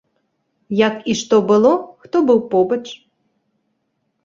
Як і што было, хто быў побач.